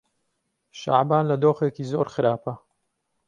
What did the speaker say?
شەعبان لە دۆخێکی زۆر خراپە.